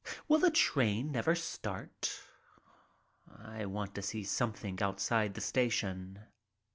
Will the train never start ? I want to see something outside the station.